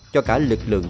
cho cả lực lượng